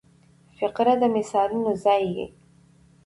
فقره د مثالونو ځای يي.